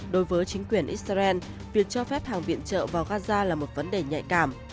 đối với chính quyền israel việc cho phép hàng viện trợ vào gaza là một vấn đề nhạy cảm